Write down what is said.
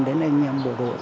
đến anh em bộ đội